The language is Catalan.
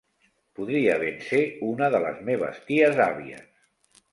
Podria ben ser una de les meves ties àvies.